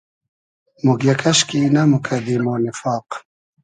موگیۂ کئشکی نئموکئدی مۉ نیفاق